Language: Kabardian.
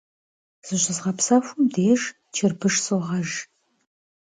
Зыщызгъэпсэхум деж чырбыш согъэж.